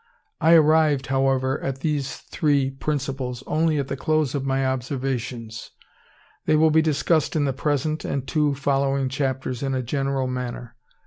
I arrived, however, at these three Principles only at the close of my observations. They will be discussed in the present and two following chapters in a general manner.